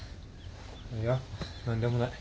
いや何でもない。